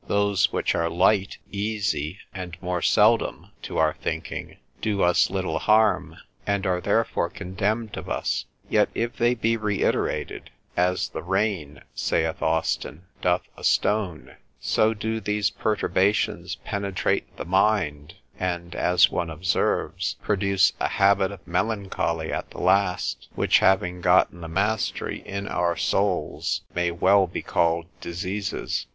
Those which are light, easy, and more seldom, to our thinking, do us little harm, and are therefore contemned of us: yet if they be reiterated, as the rain (saith Austin) doth a stone, so do these perturbations penetrate the mind: and (as one observes) produce a habit of melancholy at the last, which having gotten the mastery in our souls, may well be called diseases.